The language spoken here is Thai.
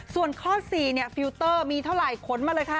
ส่วนข้อ๔ฟิลเตอร์มีเท่าไหร่ขนมาเลยค่ะ